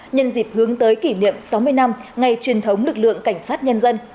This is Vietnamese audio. nhân dịp hướng tới kỷ niệm sáu mươi năm ngày truyền thống lực lượng cảnh sát nhân dân